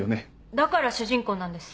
だから主人公なんです